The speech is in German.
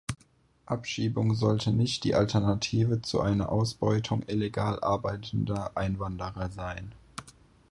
Abschiebung sollte nicht die Alternative zu einer Ausbeutung illegal arbeitender Einwanderer sein.